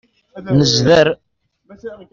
Nezder.